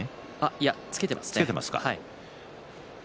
いや、つけています。